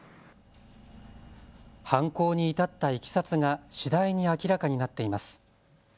犯行に至ったいきさつが次第に明らかになっています。